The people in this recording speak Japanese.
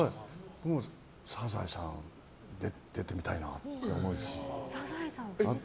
「サザエさん」出てみたいなって思って。